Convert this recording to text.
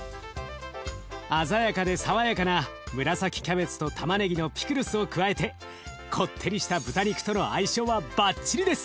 鮮やかで爽やかな紫キャベツとたまねぎのピクルスを加えてこってりした豚肉との相性はバッチリです！